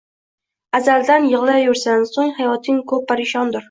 Azaldan yigʻlayursan, soʻng hayoting koʻb parishondir